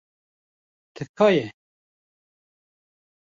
Tika ye.